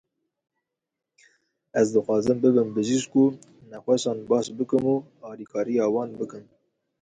Ez dixwazim bibim bijîşk û nexweşan baş bikim û alîkariya wan bikim.